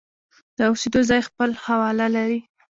د اوسېدو ځای خپل حواله لري.